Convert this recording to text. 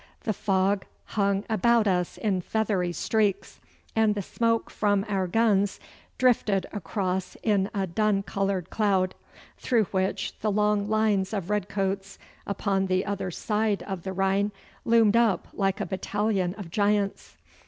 The fog hung about us in feathery streaks, and the smoke from our guns drifted across in a dun coloured cloud, through which the long lines of red coats upon the other side of the rhine loomed up like a battalion of giants.